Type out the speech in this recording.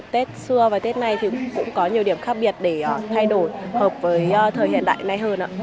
tết xưa và tết này thì cũng có nhiều điểm khác biệt để thay đổi hợp với thời hiện đại này hơn ạ